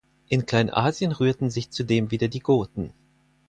In Kleinasien rührten sich zudem wieder die Goten.